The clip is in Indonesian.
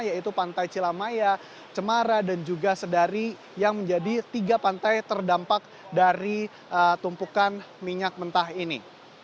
yaitu pantai cilamaya cemara dan juga sedari yang menjadi tiga pantai terdampak dari tumpukan minyak mentah ini